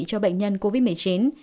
cho bệnh nhân covid một mươi chín